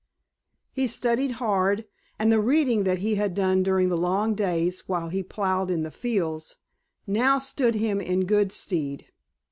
He studied hard, and the reading he had done during the long days while he plowed in the fields now stood him in good stead.